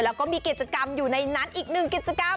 แล้วก็มีกิจกรรมอยู่ในนั้นอีกหนึ่งกิจกรรม